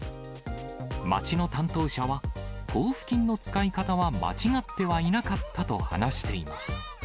町の担当者は、交付金の使い方は間違ってはいなかったと話しています。